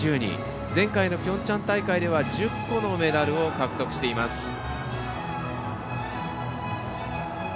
前回のピョンチャン大会では１０個のメダルを獲得しています。